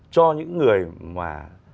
cho những người mà